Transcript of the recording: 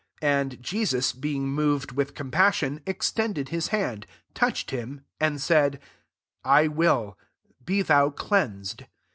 41 And Jesus, being moved with compassion, extended his hand, touched him, and said, *'I wilt; be thou cleansed."